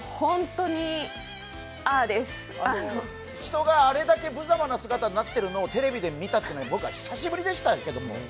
人があれだけぶざまな姿になっているのをテレビで見たというのは僕は久しぶりでしたけども。